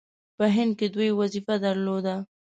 په هند کې دوی وظیفه درلوده.